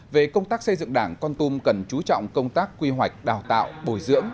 về công tác xây dựng đảng con tum cần chú trọng công tác quy hoạch đào tạo bồi dưỡng